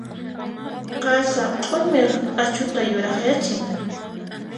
Qasa q'umir q'achuta yurakyachin.